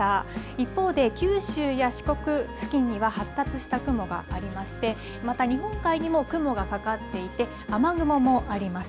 一方で、九州や四国付近には発達した雲がありまして、また日本海にも雲がかかっていて、雨雲もあります。